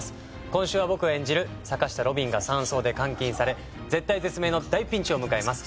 今週は僕が演じる坂下路敏が山荘で監禁され絶体絶命の大ピンチを迎えます。